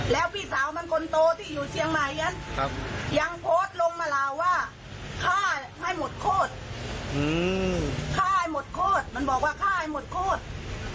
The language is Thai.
แล้วพี่สาวมันคนโตที่อยู่เชียงใหม่นั้นยังโพสต์ลงมาลาว่าฆ่าให้หมดโคตรฆ่าให้หมดโคตรมันบอกว่าฆ่าให้หมดโคตร